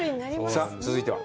さあ、続いては？